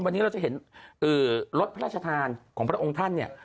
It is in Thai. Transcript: วันนี้เราจะเห็นรถพระราชทานของพระองค์ท่านเนี่ย